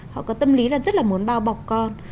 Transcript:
họ có tâm lý là rất là muốn bao bọc con